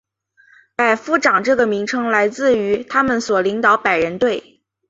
百夫长这个名称来自于他们所领导百人队。